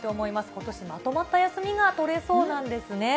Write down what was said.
ことしまとまった休みが取れそうなんですね。